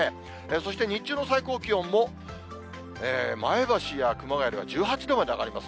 そして日中の最高気温も、前橋や熊谷では１８度まで上がります。